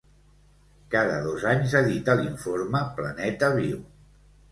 Cada dos anys edita l'informe Planeta Viu.